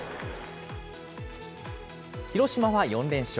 広島は４連勝。